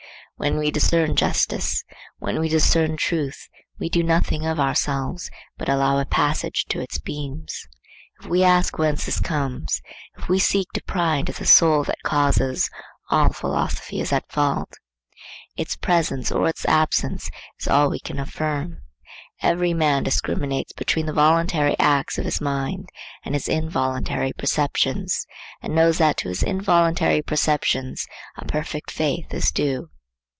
When we discern justice, when we discern truth, we do nothing of ourselves, but allow a passage to its beams. If we ask whence this comes, if we seek to pry into the soul that causes, all philosophy is at fault. Its presence or its absence is all we can affirm. Every man discriminates between the voluntary acts of his mind and his involuntary perceptions, and knows that to his involuntary perceptions a perfect faith is due.